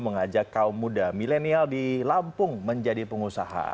mengajak kaum muda milenial di lampung menjadi pengusaha